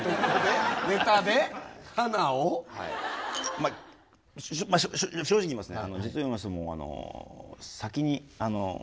まあ正直言いますね。